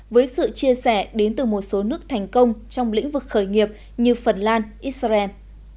với sự chia sẻ đến từ một số nước thành công trong lĩnh vực khởi nghiệp như phần lan israel